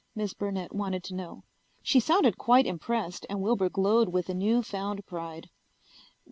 Miss Burnett wanted to know. She sounded quite impressed and Wilbur glowed with a new found pride.